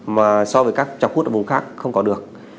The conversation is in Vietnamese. mà so với các chọc hút ở vùng khác không có được